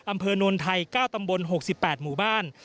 อำเภอโนนไทย๙ตำบล๖๘หมู่บ้าน